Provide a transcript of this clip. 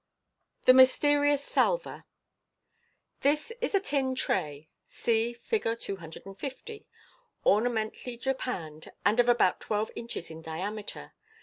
The Mysterious Salver.— This is a tin tray (see Fig. 250), ornamentally japanned, and of about twelve inches in diameter.